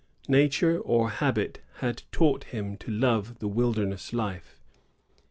Nature, or habit, had taught him to love the wilder* ness life.